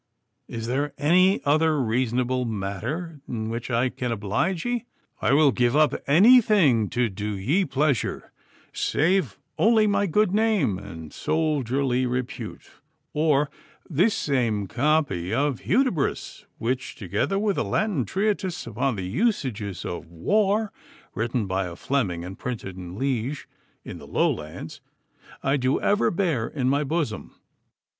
'Is there any other reasonable matter in which I can oblige ye? I will give up anything to do ye pleasure save only my good name and soldierly repute, or this same copy of "Hudibras," which, together with a Latin treatise upon the usages of war, written by a Fleming and printed in Liege in the Lowlands, I do ever bear in my bosom.